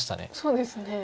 そうですね。